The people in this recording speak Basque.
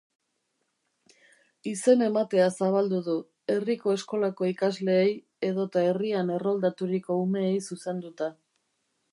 Izen ematea zabaldu du, herriko eskolako ikasleei edota herrian erroldaturiko umeei zuzenduta.